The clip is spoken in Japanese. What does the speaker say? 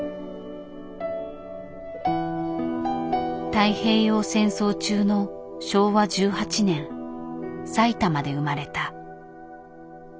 太平洋戦争中の昭和１８年埼玉で生まれた。